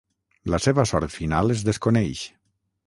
La seva sort final es desconeix.